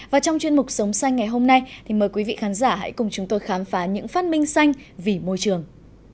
và trong chuyên mục sống xanh ngày hôm nay thì mời quý vị khán giả hãy cùng chúng tôi khám phá những phát minh xanh vì môi trường